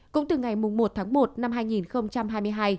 cũng từ ngày một tháng một năm hai nghìn hai mươi hai